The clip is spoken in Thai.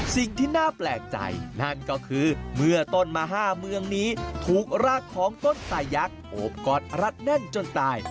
สิ่งที่น่าแปลกใจนั่นก็คือเมื่อต้นมะห้าเมืองนี้ถูกรากของต้นตายักษ์โอบกอดรัดแน่นจนตาย